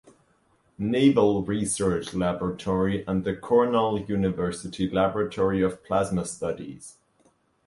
Naval Research Laboratory and the Cornell University Laboratory of Plasma Studies.